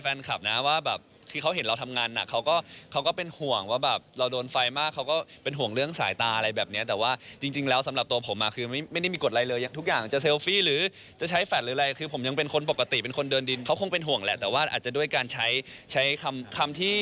แฟนคลับนะว่าแบบที่เขาเห็นเราทำงานหนักเขาก็เขาก็เป็นห่วงว่าแบบเราโดนไฟมากเขาก็เป็นห่วงเรื่องสายตาอะไรแบบเนี้ยแต่ว่าจริงแล้วสำหรับตัวผมอ่ะคือไม่ได้มีกฎอะไรเลยทุกอย่างจะเซลฟี่หรือจะใช้แฟลตหรืออะไรคือผมยังเป็นคนปกติเป็นคนเดินดินเขาคงเป็นห่วงแหละแต่ว่าอาจจะด้วยการใช้ใช้คำที่